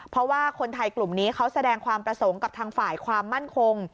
เพราะว่าคนไทยกลุ่มนี้เขาแสดงความประสงค์กับทางฝ่ายความมั่นคง